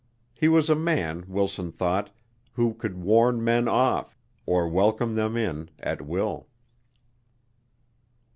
He was a man, Wilson thought, who could warn men off, or welcome them in, at will.